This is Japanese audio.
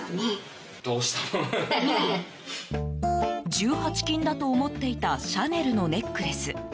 １８金だと思っていたシャネルのネックレス。